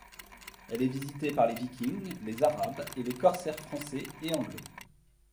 Elle est visitée par les Vikings, les Arabes et les corsaires français et anglais.